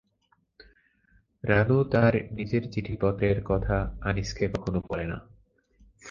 রানু তার নিজের চিঠিপত্রের কথা আনিসকে কখনো বলে না।